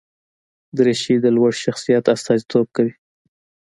دریشي د لوړ شخصیت استازیتوب کوي.